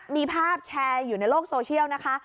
มีภาพแชร์อยู่ในโลกโซเชียลนะคะ